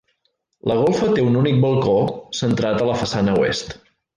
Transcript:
La golfa té un únic balcó centrat a la façana oest.